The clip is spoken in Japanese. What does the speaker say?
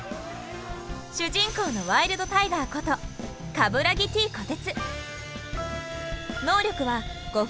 主人公のワイルドタイガーこと鏑木・Ｔ・虎徹。